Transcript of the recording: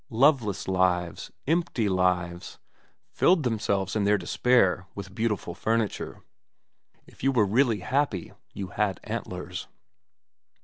Loveless lives, empty lives, filled themselves in their despair with beautiful furniture. If you were really happy you had antlers.